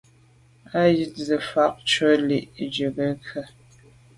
Á jíìt sə́ vhə̀ə́ thúvʉ́ dlíj Nùŋgɛ̀ kɛ́ɛ̀ á.